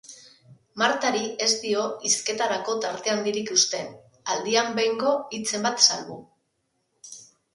Martari ez dio hizketarako tarte handirik uzten, aldian behingo hitzen bat salbu.